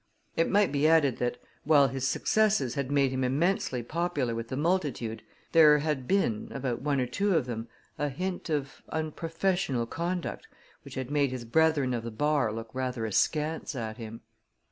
It might be added that, while his successes had made him immensely popular with the multitude, there had been, about one or two of them, a hint of unprofessional conduct, which had made his brethren of the bar look rather askance at him.